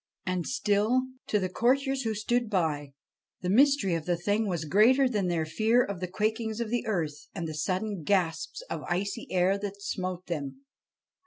And still, to the courtiers who stood by, the mystery of the thing was greater than their fear of the quakings of the earth and the sudden gasps of icy air that smote them.